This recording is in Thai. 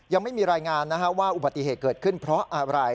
ยังไม่มีรายงานว่าอุบัติเหตุเกิดขึ้นเพราะอะไร